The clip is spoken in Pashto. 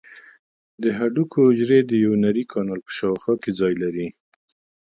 د هډوکو حجرې د یو نري کانال په شاوخوا کې ځای لري.